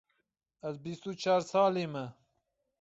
Ez bîst û çar salî me.